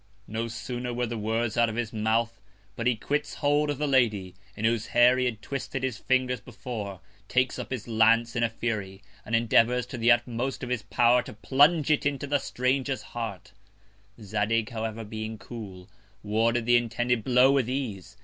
No sooner were the Words out of his Mouth, but he quits hold of the Lady, in whose Hair he had twisted his Fingers before, takes up his Lance in a Fury, and endeavours to the utmost of his Pow'r to plunge it in the Stranger's Heart: Zadig, however, being cool, warded the intended Blow with Ease.